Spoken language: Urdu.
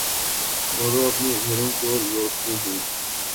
اوروہ اپنے گھروں کو لوٹتے ہیں۔